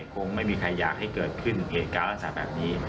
คงไม่มีใครอยากให้เกิดขึ้นเหตุการณ์ลักษณะแบบนี้